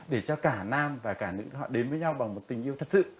để cho cả nam và cả họ đến với nhau bằng một tình yêu thật sự